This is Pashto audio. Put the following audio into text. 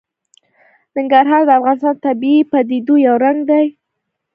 ننګرهار د افغانستان د طبیعي پدیدو یو رنګ دی.